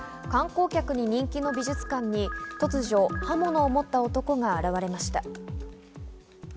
観光客に人気の美術館に突如、刃物を持った男が現れました。